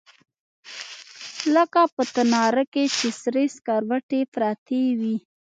لکه په تناره کښې چې سرې سکروټې پرتې وي.